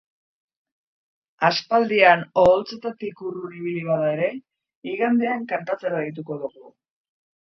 Aspaldian oholtzetatik urrun ibili bada ere, igandean kantatzera deituko dugu.